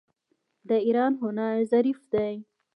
د ایران هنر ظریف دی.